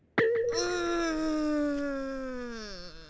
うん。